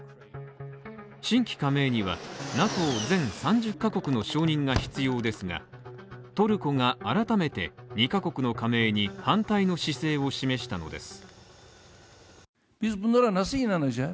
新規加盟にはＮＡＴＯ全３０カ国の承認が必要ですが、トルコが改めて２カ国の加盟に反対の姿勢を示したのです。